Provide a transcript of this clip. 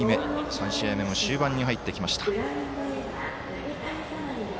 ３試合目も終盤に入ってきました。